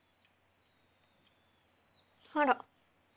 あら。